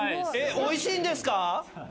おいしいんですか？